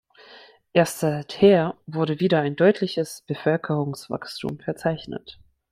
Erst seither wurde wieder ein deutliches Bevölkerungswachstum verzeichnet.